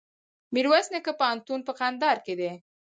میرویس نیکه پوهنتون په کندهار کي دی.